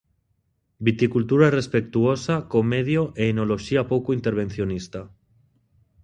Viticultura respectuosa co medio e enoloxía pouco intervencionista.